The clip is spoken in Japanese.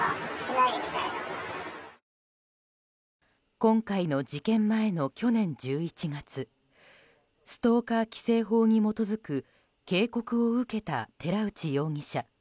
今回の事件前の去年１１月ストーカー規制法に基づく警告を受けた寺内容疑者。